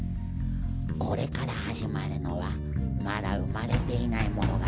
「これから始まるのはまだ生まれていない物語」